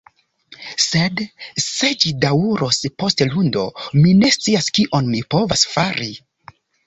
Sed, se ĝi daŭros post Lundo, mi ne scias kion mi povas fari.